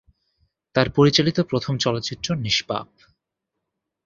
তার পরিচালিত প্রথম চলচ্চিত্র "নিষ্পাপ"।